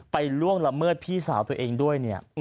ล่วงละเมิดพี่สาวตัวเองด้วยเนี่ย